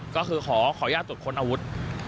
ก็คือขอยาดตรวจค้นอาวุธ